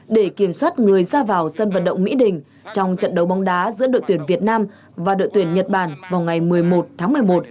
để kiểm soát người ra vào sân vận động mỹ đình trong trận đấu bóng đá giữa đội tuyển việt nam và đội tuyển nhật bản vào ngày một mươi một tháng một mươi một